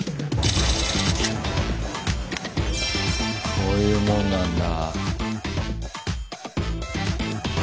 こういうもんなんだ。